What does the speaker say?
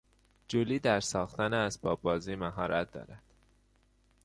جولی در ساختن اسباب بازی مهارت دارد.